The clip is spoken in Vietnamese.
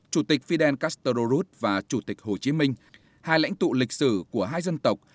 chủ tịch fidel castro ruth và chủ tịch hồ chí minh hai lãnh tụ lịch sử của hai dân tộc